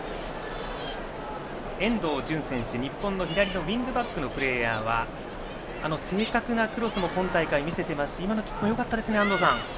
遠藤純選手、日本の左のウイングバックのプレーヤーは正確なクロスも今大会で見せていますし今のキックもよかったですね。